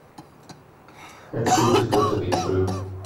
It seemed too good to be true.